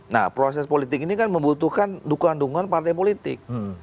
nah proses politik ini kan membutuhkan dukungan dukungan partai politik